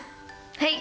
はい。